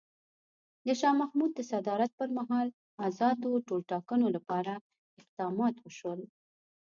د شاه محمود د صدارت پر مهال ازادو ټولټاکنو لپاره اقدامات وشول.